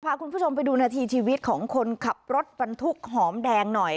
พาคุณผู้ชมไปดูนาทีชีวิตของคนขับรถบรรทุกหอมแดงหน่อย